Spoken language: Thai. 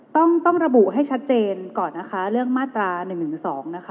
ต้องต้องระบุให้ชัดเจนก่อนนะคะเรื่องมาตรา๑๑๒นะคะ